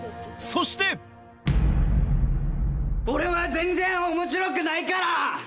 俺は全然面白くないから！